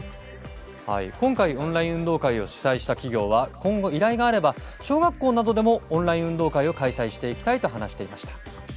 今回オンライン運動会を主催した企業は今後、依頼があれば小学校などでもオンライン運動会を開催したいと話していました。